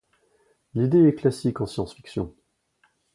L'idée est classique en science-fiction.